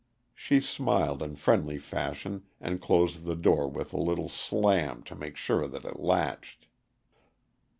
She smiled in friendly fashion and closed the door with a little slam to make sure that it latched.